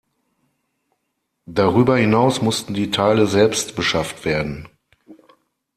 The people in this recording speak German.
Darüber hinaus mussten die Teile selbst beschafft werden.